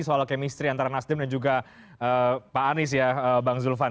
soal kemistri antara nasdem dan juga pak anies ya bang zulfan